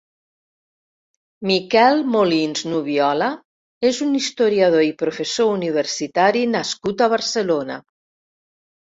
Miquel Molins Nubiola és un historiador i professor universitari nascut a Barcelona.